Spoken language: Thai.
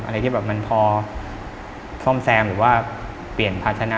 อะไรที่แบบมันพอซ่อมแซมหรือว่าเปลี่ยนภาชนะ